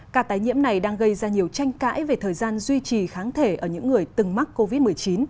cả tái nhiễm này đang gây ra nhiều tranh cãi về thời gian duy trì kháng thể ở những người từng mắc covid một mươi chín